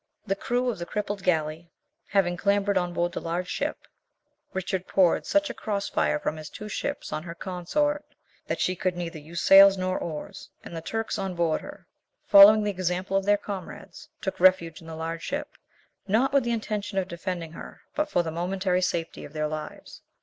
The crew of the crippled galley having clambered on board the large ship, Richard poured such a cross fire from his two ships on her consort, that she could neither use sails nor oars, and the Turks on board her, following the example of their comrades, took refuge in the large ship, not with the intention of defending her, but for the momentary safety of their lives.